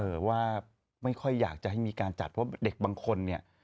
ว่าไม่ค่อยอยากจะให้มีการจัดเพราะเด็กบางคนเนี่ย